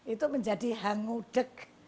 itu menjadi hangudek